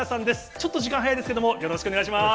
ちょっと時間早いですけれども、よろしくお願いします。